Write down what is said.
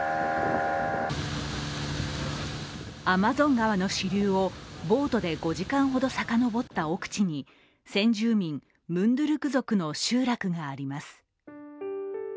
アマゾン川の支流をボートで５時間ほど遡った奥地に先住民・ムンドゥルク族の集落があります。